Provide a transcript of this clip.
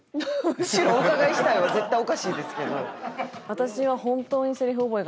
「むしろお伺いしたい」は絶対おかしいですけど。